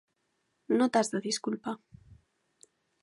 No t'has de disculpar.